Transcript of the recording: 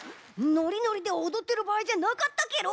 ノリノリでおどってるばあいじゃなかったケロ！